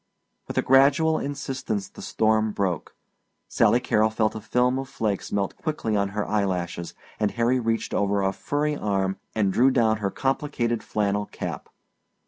With a gradual insistence the storm broke. Sally Carrol felt a film of flakes melt quickly on her eyelashes, and Harry reached over a furry arm and drew down her complicated flannel cap.